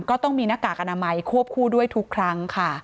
ก็ต้องมีหน้ากากอนามัยควบคู่ด้วยทุกครั้งค่ะ